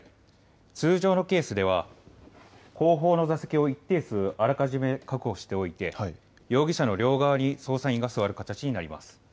通常のケースでは、後方の座席を一定数あらかじめ確保しておいて容疑者の両側に捜査員が座る形になります。